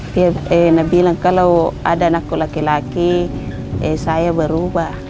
dia pernah bilang kalau ada anakku laki laki saya berubah